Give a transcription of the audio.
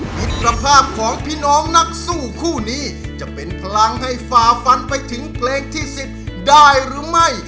มิตรภาพของพี่น้องนักสู้คู่นี้จะเป็นพลังให้ฝ่าฟันไปถึงเพลงที่๑๐ได้หรือไม่